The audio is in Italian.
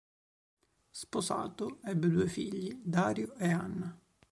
Sposato, ebbe due figli, Dario e Anna.